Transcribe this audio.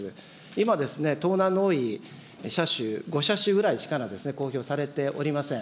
今、盗難の多い車種、５車種ぐらいしか公表されておりません。